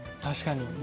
確かに。